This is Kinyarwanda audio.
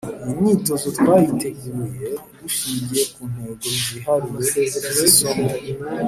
Iyi myitozo twayiteguye dushingiye ku ntego zihariye z’isomo